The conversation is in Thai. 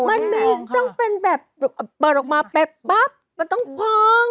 มันต้องเป็นแบบเปิดออกมาเป็บปั๊บมันต้องพอง